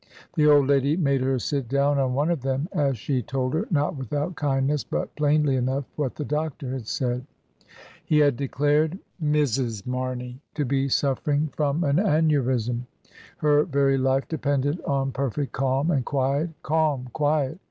The old lady made her sit down on one of them, as she told her, not without kindness, but plainly enough, what the doctor had said. THREE MILES ALONG THE ROAD. 1 75 "He had declared Mi*s. Marney to be suffering from an aneurism; her very life depended on per fect calm and quiet — Calm! quiet!